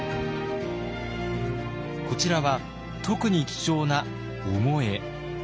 こちらは特に貴重な御後絵。